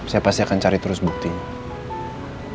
saya pasti akan cari terus buktinya